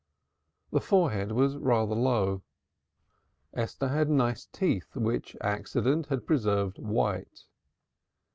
The forehead was rather low. Esther had nice teeth which accident had preserved white.